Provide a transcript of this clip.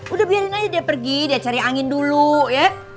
udah biarin aja dia pergi dia cari angin dulu ya